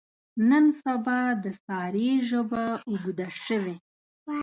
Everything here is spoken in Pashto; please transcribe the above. نن سبا د سارې ژبه اوږده شوې.